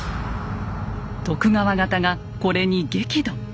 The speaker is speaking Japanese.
徳川方がこれに激怒。